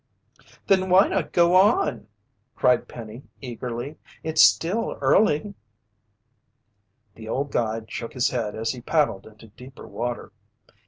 "Then why not go on?" cried Penny eagerly. "It's still early." The old guide shook his head as he paddled into deeper water.